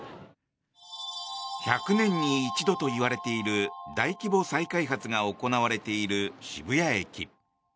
１００年に一度と言われている大規模再開発が行われている渋谷駅。